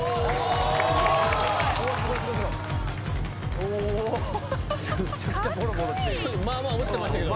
お！まぁまぁ落ちてましたけど。